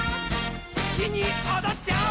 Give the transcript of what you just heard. すきにおどっちゃおう！